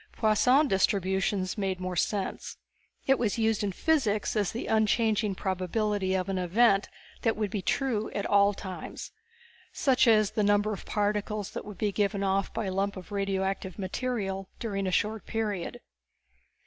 Poisson Distribution made more sense. It was used in physics as the unchanging probability of an event that would be true at all times. Such as the numbers of particles that would be given off by a lump of radioactive matter during a short period.